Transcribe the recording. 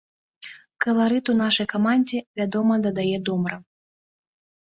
Каларыту нашай камандзе, вядома, дадае домра.